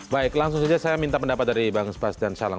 baik langsung saja saya minta pendapat dari bang sebastian salang